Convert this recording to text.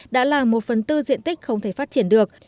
đã là một phần tư diện tích không thể phát triển được